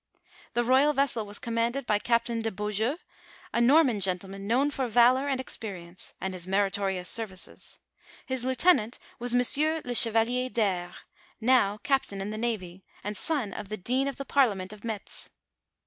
The royal vessel was commanded by Captain de Beaujeu, a Norman gentleman known for valor and expe rience, and his meritorious services ; his lieutenant was M. le chevalier d'Aire, now captain in the navy, and son of the dean of the parliament of Metz.